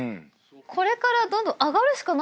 これからどんどん上がるしかないですよね。